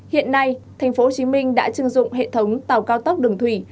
hiện nay thành phố hồ chí minh đã trưng dụng hệ thống tàu cao tốc đường thủy